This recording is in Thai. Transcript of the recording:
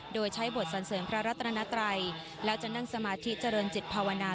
โดยใช้บทสันเสริมพระรัตนัตรัยแล้วจะนั่งสมาธิเจริญจิตภาวนา